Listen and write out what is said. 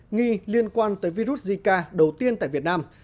nghi liên quan tới virus zika đầu tiên tại việt nam